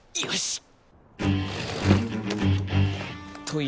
よし！